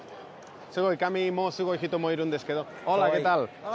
すごい髪もすごい人もいるんですけど。